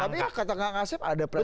tapi ya kata nggak ngasip ada presiden